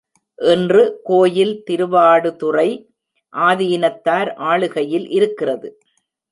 இன்று கோயில் திருவாடுதுறை ஆதீனத்தார் ஆளுகையில் இருக்கிறது.